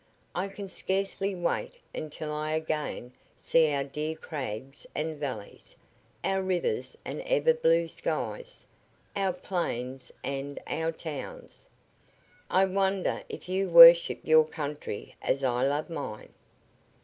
I can scarcely wait until I again see our dear crags and valleys, our rivers and ever blue skies, our plains and our towns. I wonder if you worship your country as I love mine."